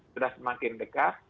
sudah semakin dekat